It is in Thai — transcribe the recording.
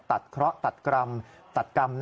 ตัดเคราะห์ตัดกรรมตัดกรรม